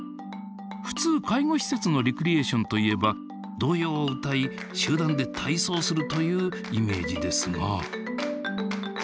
普通介護施設のレクリエーションといえば童謡を歌い集団で体操するというイメージですが。